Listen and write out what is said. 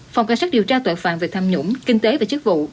phòng cảnh sát điều tra tội phạm về tham nhũng kinh tế và chức vụ